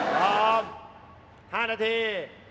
พร้อม๕นาที